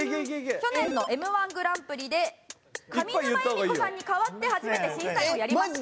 去年のＭ−１グランプリで上沼恵美子さんに代わって初めて審査員をやりました。